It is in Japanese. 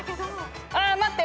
あ待って！